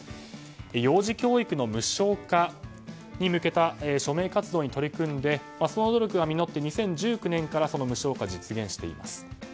幼児教育の無償化に向けた署名活動に取り組んでその努力が実って２０１９年からその無償化が実現しています。